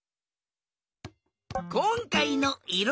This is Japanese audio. こんかいのいろ